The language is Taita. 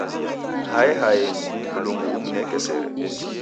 Hae haenyi, Mlungu umneke sere.